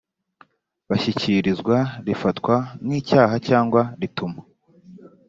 bashyikirizwa rifatwa nk icyaha cyangwa rituma